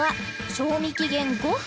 賞味期限５分？